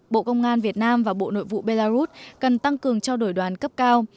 bộ công an việt nam và bộ nội vụ belarus cần tăng cường trao đổi đoàn cấp cao